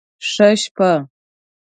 ښه شپه